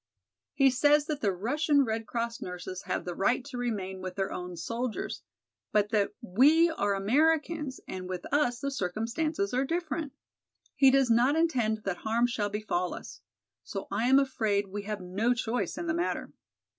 He says that the Russian Red Cross nurses have the right to remain with their own soldiers, but that we are Americans and with us the circumstances are different. He does not intend that harm shall befall us. So I am afraid we have no choice in the matter.